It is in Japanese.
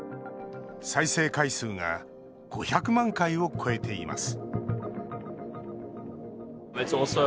再生回数が５００万回を超えています